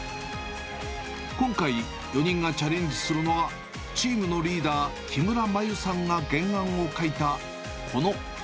今回、４人がチャレンジするのが、チームのリーダー、木村まゆさんが原案を描いたこの絵。